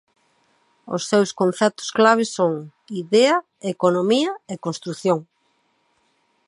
Os seus conceptos clave son: idea, economía e construción.